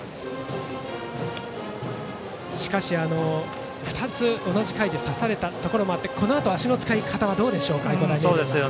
しかし、２つ同じ回で刺されたこともあってこのあとは足の使い方はどうでしょうか。